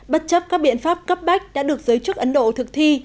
bất chấp các biện pháp cấp bách đã được giới chức ấn độ thực thi